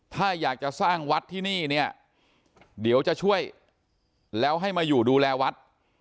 ถ้าอยากจะสร้างวัดที่นี่เนี่ยเดี๋ยวจะช่วยแล้วให้มาอยู่ดูแลวัด